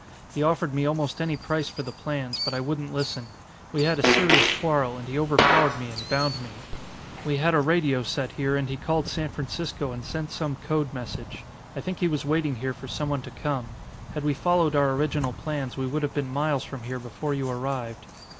He offered me almost any price for the plans; but I wouldn't listen. We had a serious quarrel, and he overpowered me and bound me. "We had a radio set here and he called San Francisco and sent some code message. I think he was waiting here for someone to come. Had we followed our original plans, we would have been miles from here before you arrived.